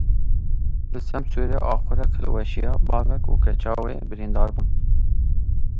Li Semsûrê axurek hilweşiya bavek û keça wê birîndar bûn.